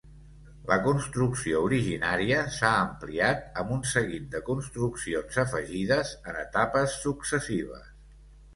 La construcció originària s'ha ampliat amb un seguit de construccions afegides en etapes successives.